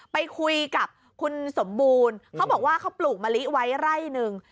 ไปคุยกับคุณสมบูรณ์เขาบอกว่าเขาปลูกมะลิไว้ไร่หนึ่ง